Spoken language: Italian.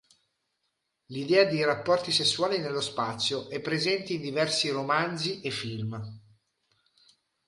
L'idea di rapporti sessuali nello spazio è presente in diversi romanzi e film.